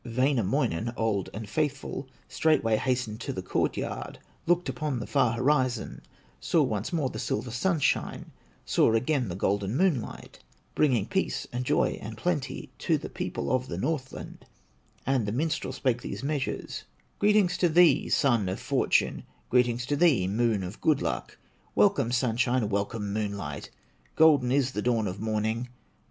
Wainamoinen, old and faithful, Straightway hastened to the court yard, Looked upon the far horizon, Saw once more the silver sunshine, Saw again the golden moonlight, Bringing peace, and joy, and plenty, To the people of the Northland, And the minstrel spake these measures: "Greetings to thee, Sun of fortune, Greetings to thee, Moon of good luck, Welcome sunshine, welcome moonlight, Golden is the dawn of morning!